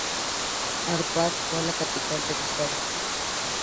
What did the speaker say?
Arpad fue la capital del estado.